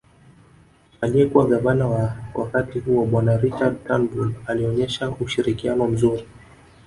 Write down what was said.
Aliyekuwa gavana wa wakati huo bwana Richard Turnbull alionyesha ushirikiano mzuri